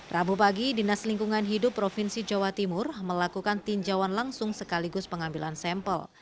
rabu pagi dinas lingkungan hidup provinsi jawa timur melakukan tinjauan langsung sekaligus pengambilan sampel